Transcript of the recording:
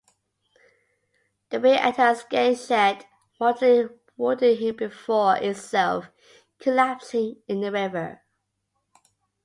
The bear attacks Genshed, mortally wounding him before itself collapsing in the river.